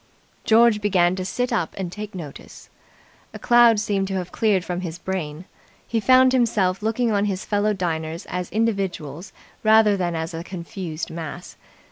George began to sit up and take notice. A cloud seemed to have cleared from his brain. He found himself looking on his fellow diners as individuals rather than as a confused mass.